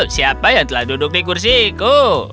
siapa yang telah duduk di kursiku